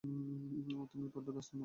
তুমি বড্ড ব্যস্ত মানুষ।